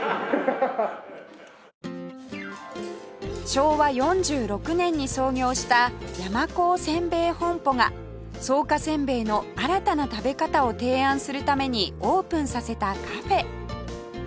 昭和４６年に創業した山香煎餅本舗が草加せんべいの新たな食べ方を提案するためにオープンさせたカフェ